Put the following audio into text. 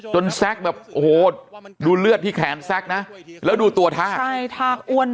แซคแบบโอ้โหดูเลือดที่แขนแซ็กนะแล้วดูตัวท่าใช่ท่าอ้วน